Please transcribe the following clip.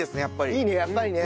いいねやっぱりね。